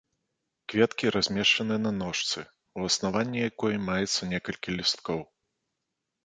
Кветкі размешчаны на ножцы, у аснаванні якой маецца некалькі лісткоў.